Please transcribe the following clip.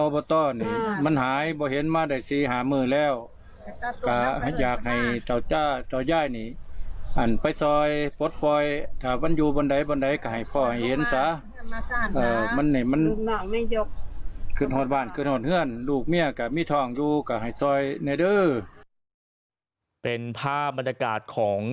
เป็นภาพบรรยากาศของ